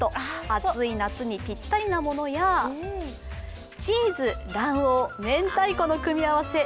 暑い夏にぴったりなものやチーズ、卵黄、明太子の組み合わせ